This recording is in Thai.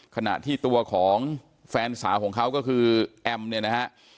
ขณะที่ตัวของแฟนสาวของเขาก็คือแอมเนี่ยนะฮะ